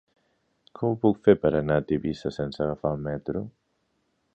Com ho puc fer per anar a Tivissa sense agafar el metro?